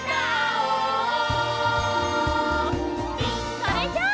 それじゃあ！